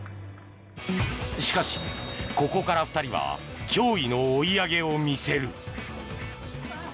しかし、ここから２人は驚異の追い上げを見せる。